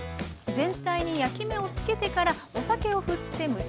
全体に焼き目を付けてからお酒をふって蒸し焼きにします。